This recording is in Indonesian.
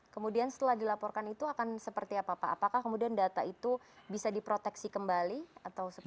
kemudian setelah dilaporkan itu akan seperti apa pak apakah kemudian data itu bisa diproteksi kembali atau seperti apa